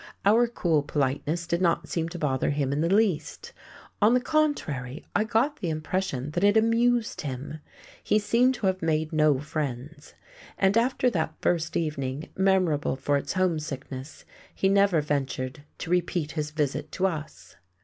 Our cool politeness did not seem to bother him in the least; on the contrary, I got the impression that it amused him. He seemed to have made no friends. And after that first evening, memorable for its homesickness, he never ventured to repeat his visit to us.